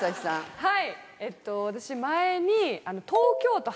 はい。